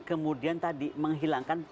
kemudian tadi menghilangkan